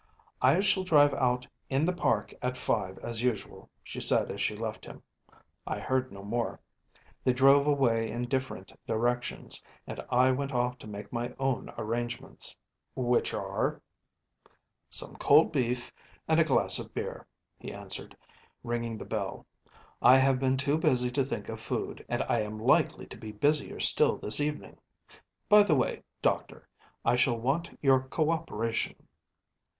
‚ÄėI shall drive out in the park at five as usual,’ she said as she left him. I heard no more. They drove away in different directions, and I went off to make my own arrangements.‚ÄĚ “Which are?‚ÄĚ “Some cold beef and a glass of beer,‚ÄĚ he answered, ringing the bell. “I have been too busy to think of food, and I am likely to be busier still this evening. By the way, Doctor, I shall want your co operation.